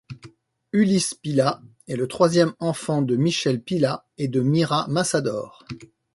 Ulysse Pila est le troisième enfant de Michel Pila et de Mira Massador.